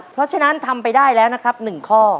เพราะฉะนั้นทำไปได้แล้วนะครับ๑ข้อ